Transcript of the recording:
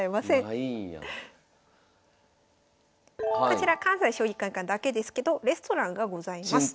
こちら関西将棋会館だけですけどレストランがございます。